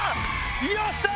よっしゃー！